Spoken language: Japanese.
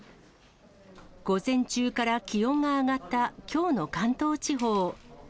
午前中から気温が上がったきょうの関東地方。